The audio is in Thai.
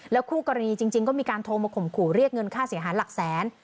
คู่กรณีจริงก็มีการโทรมาข่มขู่เรียกเงินค่าเสียหายหลักแสน